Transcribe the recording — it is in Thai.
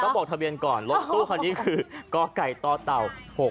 บอกทะเบียนก่อนรถตู้คันนี้คือกไก่ต่อเต่า๖๖